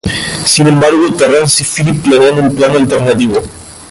Sin embargo, Terrance y Phillip planean un plan alternativo.